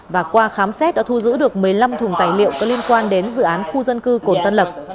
và qua khám xét đã thu giữ được một mươi năm thùng tài liệu có liên quan đến dự án khu dân cư cồn tân lập